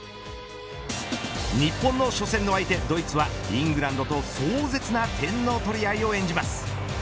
日本の初戦の相手、ドイツはイングランドと壮絶な点の取り合いを演じます。